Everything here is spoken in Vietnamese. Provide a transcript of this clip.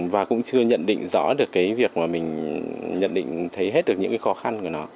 và cũng chưa nhận định rõ được cái việc mà mình nhận định thấy hết được những cái khó khăn của nó